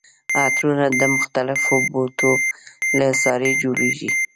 عطرونه د مختلفو بوټو له عصارې جوړیږي.